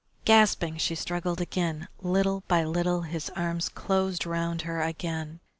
Gasping, she struggled, until, little by little, his arms closed round her again.